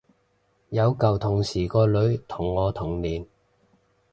有舊同事個女同我同年